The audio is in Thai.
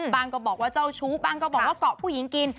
ก็บอกว่าเจ้าชู้บ้างก็บอกว่าเกาะผู้หญิงกิน